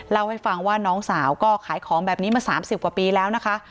เล่าให้ฟังว่าน้องสาวก็ขายของแบบนี้มา๓๐กว่าปีแล้วนะคะ